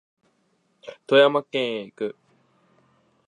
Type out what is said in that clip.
富山県へ行く